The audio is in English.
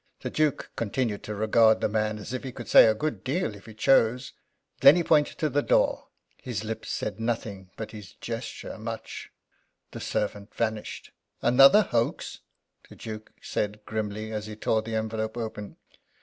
The Duke continued to regard the man as if he could say a good deal, if he chose. Then he pointed to the door. His lips said nothing, but his gesture much. The servant vanished. "Another hoax!" the Duke said, grimly, as he tore the envelope open.